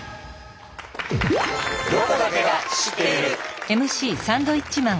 「ロコだけが知っている」。